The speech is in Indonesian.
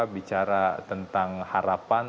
bicara tentang harapan